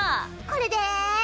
これで。